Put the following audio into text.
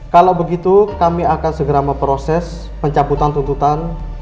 kalau begitu kami akan segera memproses pencabutan tuntutan